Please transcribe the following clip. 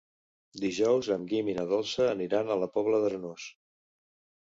Dijous en Guim i na Dolça aniran a la Pobla d'Arenós.